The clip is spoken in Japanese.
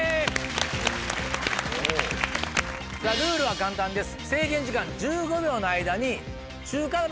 ルールは簡単です。